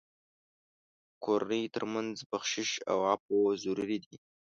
د کورنۍ تر منځ بخشش او عفو ضروري دي.